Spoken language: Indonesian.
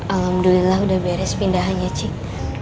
alhamdulillah udah beres pindahannya cik